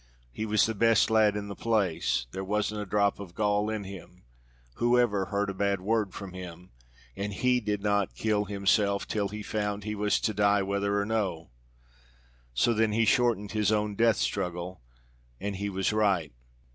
He was the best lad in the place; there wasn't a drop of gall in him; who ever heard a bad word from him? and he did not kill himself till he found he was to die whether or no; so then he shortened his own death struggle, and he was right."